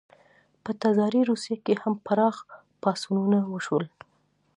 په تزاري روسیه کې هم پراخ پاڅونونه وشول.